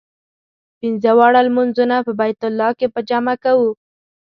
پنځه واړه لمونځونه په بیت الله کې په جمع کوو.